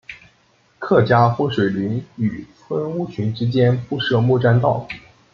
客家风水林与村屋群之间铺设木栈道。